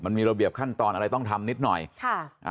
มันมีระเบียบขั้นตอนอะไรต้องทำนิดหน่อยค่ะอ่า